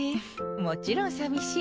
もちろん寂しい。